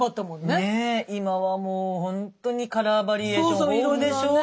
ねえ今はもうほんとにカラーバリエーション豊富でしょう？